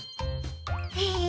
へえ。